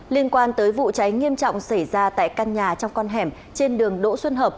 liên quan tới vụ cháy nghiêm trọng xảy ra tại căn nhà trong con hẻm trên đường đỗ xuân hợp